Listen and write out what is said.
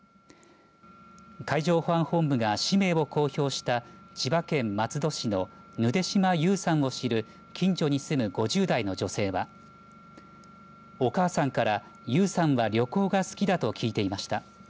海上保安本部が氏名を公表した千葉県松戸市のヌデ島優さんを知る近所に住む５０代の女性はお母さんから、優さんは旅行が好きだと聞いていました。